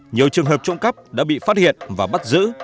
nhiều trường hợp trộm cắp đã bị phát hiện và bắt giữ